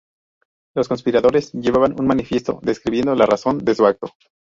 Los conspiradores llevaban un manifiesto, describiendo la razón de su acto.